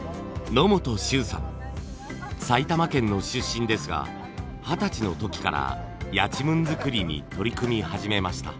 埼玉県の出身ですが二十歳の時からやちむん作りに取り組み始めました。